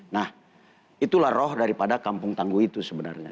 nah itulah roh daripada kampung tangguh itu sebenarnya